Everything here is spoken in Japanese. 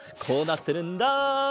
こうなってるんだ。